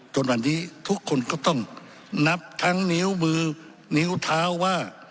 จนวันนี้ทุกคนก็ต้องนับทั้งนิ้วมือนิ้วเท้าว่า